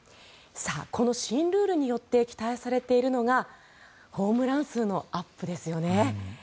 この新ルールによって期待されているのがホームラン数のアップですよね。